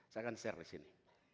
saya akan share disini